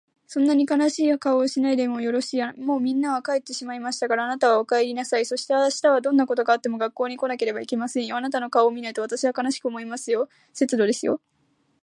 「そんなに悲しい顔をしないでもよろしい。もうみんなは帰ってしまいましたから、あなたはお帰りなさい。そして明日はどんなことがあっても学校に来なければいけませんよ。あなたの顔を見ないと私は悲しく思いますよ。屹度ですよ。」